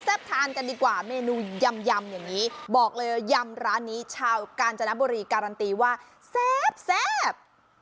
แซ่บทานกันดีกว่าเมนูยำยำอย่างงี้บอกเลยว่ายำร้านนี้ชาวการจะนับบรีการันตีว่าแซ่บแซ่บ